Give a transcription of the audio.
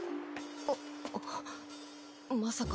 あまさか